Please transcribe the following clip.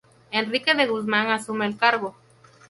Enrique de Guzmán asume el cargo.